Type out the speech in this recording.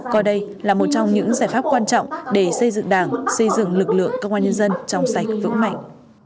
coi đây là một trong những giải pháp quan trọng để xây dựng đảng xây dựng lực lượng công an nhân dân trong sạch vững mạnh